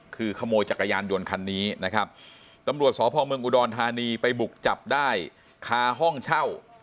คือขโมยจักรยานยนต์คันนี้นะครับตำรวจสพเมืองอุดรธานีไปบุกจับได้คาห้องเช่า